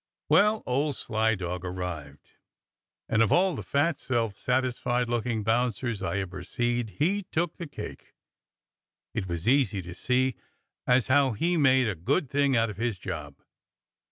Well, old sly dog arrived, and of all the fat, self satisfied looking bouncers I ever seed, he took the cake. It was easy to see as how he made a good thing out of his job.